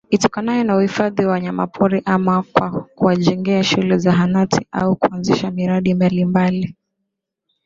itokanayo na uhifadhi wa wanyamapori ama kwa kuwajengea shule zahanati au kuanzisha miradi mbalimbali